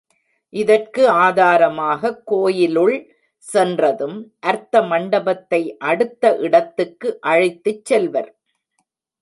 இதற்கு ஆதாரமாகக் கோயிலுள் சென்றதும் அர்த்த மண்டபத்தை அடுத்த இடத்துக்கு அழைத்துச் செல்வர்.